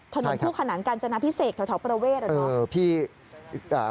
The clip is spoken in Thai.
ถนนผู้ขนานกาญจนาพิเศษแถวประเวทหรือเปล่าเออพี่อ่า